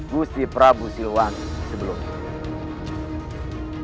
gusti prabu siliwangi sebelumnya